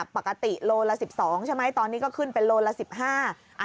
ปกติรูลละ๑๒มาตอนนี้ก็ขึ้นเป็นรูลละ๑๕